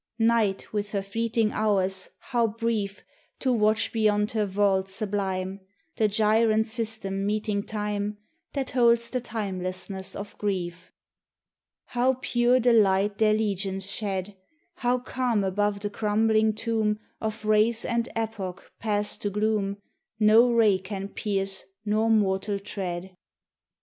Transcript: Night with her fleeting hours, how brief To watch beyond her vault sublime The gyrant systems meting Time, That holds the timelessness of grief! How pure the light their legions shed! How calm above the crumbling tomb Of race and epoch passed to gloom No ray can pierce nor mortal tread!